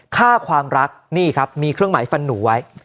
ค่าความรักนี่ครับมีเครื่องหมายฟันหนูไว้